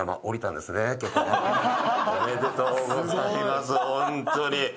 おめでとうございますホントに。